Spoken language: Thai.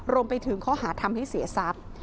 รวมไปถึงข้อหาทำให้เสียทรัพย์